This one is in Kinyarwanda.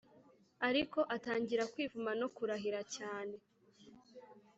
Ariko atangira kwivuma no kurahira cyane